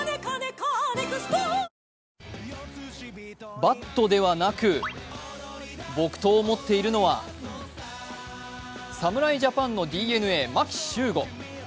バットではなく木刀を持っているのは侍ジャパンのＤｅＮＡ・牧秀悟。